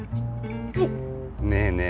はいねえねえ